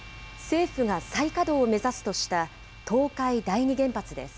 政府が再稼働を目指すとした東海第二原発です。